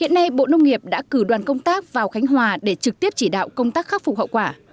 hiện nay bộ nông nghiệp đã cử đoàn công tác vào khánh hòa để trực tiếp chỉ đạo công tác khắc phục hậu quả